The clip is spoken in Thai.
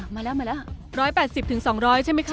มาแล้วมาแล้วร้อยแปดสิบถึงสองร้อยใช่ไหมคะ